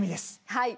はい。